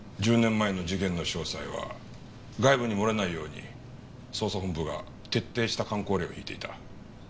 １０年前の事件の詳細は外部に漏れないように捜査本部が徹底した箝口令を敷いていた。